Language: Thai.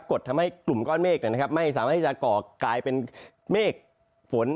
ดทำให้กลุ่มก้อนเมฆไม่สามารถที่จะก่อกลายเป็นเมฆฝน